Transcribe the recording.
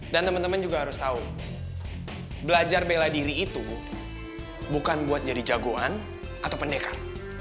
dan teman teman juga harus tahu belajar bela diri itu bukan buat jadi jagoan atau pendekar